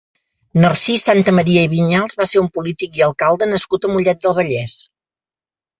Narcís Santamaria i Viñals va ser un polític i alcalde nascut a Mollet del Vallès.